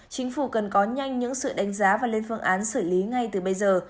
chính phủ cần có nhanh những sự đánh giá và lên phương án xử lý ngay từ bây giờ